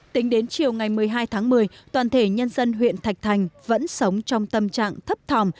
tính đến chiều ngày một mươi hai tháng một mươi toàn thể nhân dân huyện thạch thành vẫn sống trong tâm trạng thấp thòm